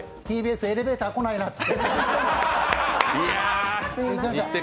ＴＢＳ、エレベーター来ないなって。